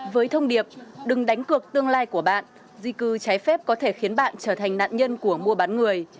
với thông điệp đừng đánh cược tương lai của bạn di cư trái phép có thể khiến bạn trở thành nạn nhân của mua bán người